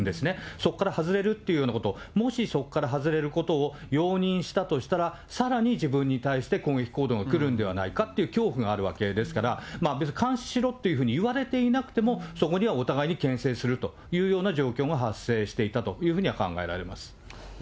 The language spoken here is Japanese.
そこから外れるというようなこと、もしそこから外れることを容認したとしたら、さらに自分に対して攻撃行動が来るんではないかという恐怖があるわけですから、別に監視しろっていうふうに言われていなくても、そこにはお互いにけん制するというような状況が発生していたというふうには考えられます。